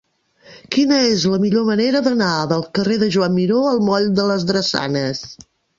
Quina és la millor manera d'anar del carrer de Joan Miró al moll de les Drassanes?